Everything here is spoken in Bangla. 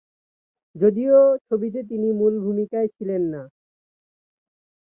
যদিও ছবিতে তিনি মূল ভূমিকায় ছিলেন না।